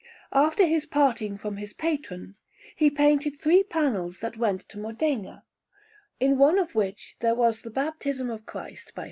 After his parting from his patron, he painted three panels that went to Modena, in one of which there was the Baptism of Christ by S.